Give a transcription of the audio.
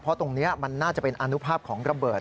เพราะตรงนี้มันน่าจะเป็นอนุภาพของระเบิด